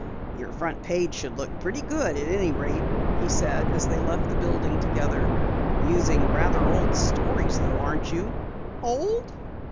"Your front page should look pretty good at any rate," he said as they left the building together. "Using rather old stories though, aren't you?" "Old?"